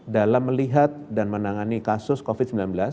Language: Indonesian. dalam melihat dan menangani kasus covid sembilan belas